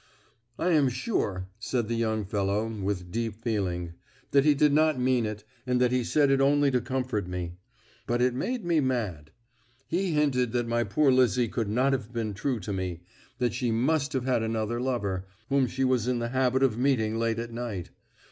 "I am sure," said the young fellow, with deep feeling, "that he did not mean it, and that he said it only to comfort me. But it made me mad. He hinted that my poor Lizzie could not have been true to me, that she must have had another lover, whom she was in the habit of meeting late at night.